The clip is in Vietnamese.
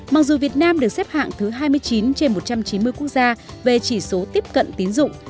mặc dù việt nam được xếp hạng thứ hai mươi chín trên một trăm chín mươi quốc gia về chỉ số tiếp cận tín dụng